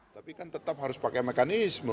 tapi kan tetap harus pakai mekanisme